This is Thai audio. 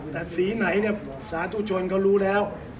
แต่สีไหนเนี่ยสาธุชนเขารู้แล้ว